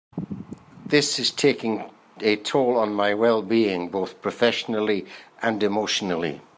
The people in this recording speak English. This is taking a toll on my well-being both professionally and emotionally.